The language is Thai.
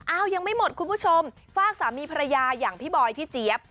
ยังไม่หมดคุณผู้ชมฝากสามีภรรยาอย่างพี่บอยพี่เจี๊ยบ